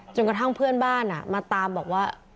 กระทั่งเพื่อนบ้านมาตามบอกว่า